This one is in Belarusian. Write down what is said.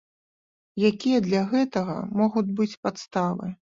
Якія для гэтага могуць быць падставы?